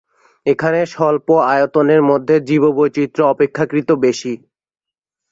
এখানে স্বল্প আয়তনের মধ্যে জীববৈচিত্র্য অপেক্ষাকৃত বেশি।